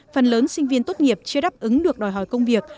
phần lớn sinh viên tốt nghiệp chưa đáp ứng được đòi hỏi công việc